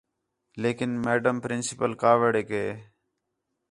لیکن میڈم پرنسپل کاوڑیک ہے